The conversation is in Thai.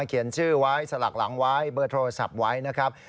เขียนชื่อไว้สลักหลังไว้เบอร์โทรศัพท์ไว้นะครับ